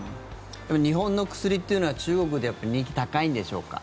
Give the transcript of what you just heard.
日本の薬っていうのは中国で人気高いんでしょうか？